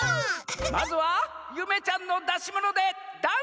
まずはゆめちゃんのだしものでダンスです！